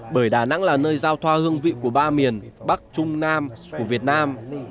bởi đà nẵng là nơi giao thoa hương vị của ba miền bắc trung nam của việt nam